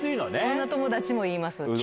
女友達も言います。